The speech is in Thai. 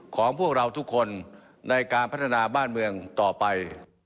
ของพวกเราทุกคนในการพัฒนาบ้านเมืองต่อไป